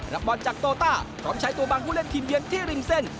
รับบอลจากโตต้าพร้อมใช้ตัวบังผู้เล่นทีมเยือนที่ริมเส้น